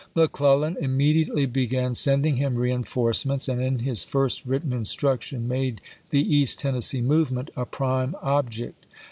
McClellau immediately began send ing liim reenforcements, and in his first written instruction made the East Tennessee movement a prime object.